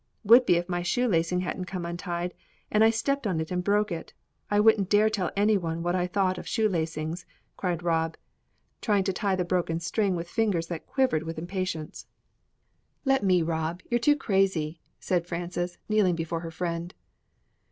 "Would be if my shoe lacing hadn't come untied, and I stepped on it and broke it. I wouldn't dare tell anyone what I thought of shoe lacings!" cried Rob, trying to tie the broken string with fingers that quivered with impatience. "Let me, Rob; you're too crazy," said Frances, kneeling before her friend.